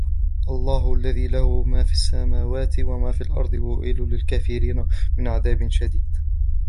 الله الذي له ما في السماوات وما في الأرض وويل للكافرين من عذاب شديد